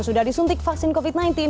sudah disuntik vaksin covid sembilan belas